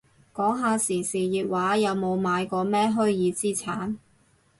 講下時事熱話，有冇買過咩虛擬資產